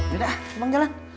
yaudah bang jalan